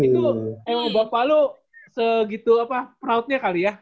geng itu emang bapak lu segitu apa proudnya kali ya